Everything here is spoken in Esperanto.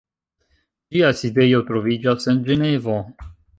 Ĝia sidejo troviĝas en Ĝenevo.